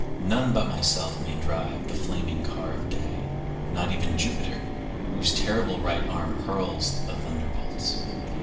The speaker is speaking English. None but myself may drive the flaming car of day. Not even Jupiter, whose terrible right arm hurls the thunderbolts.